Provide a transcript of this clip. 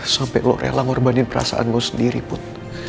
sampai lo rela ngorbanin perasaan lo sendiri ribut